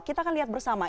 kita akan lihat bersama